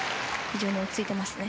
非常に落ち着いてますね。